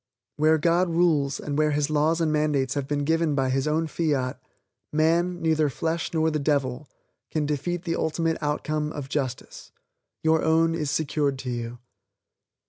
Where God rules, and where His laws and mandates have been given by His own fiat, "man, neither flesh nor the devil" can defeat the ultimate outcome of justice. Your own is secured to you.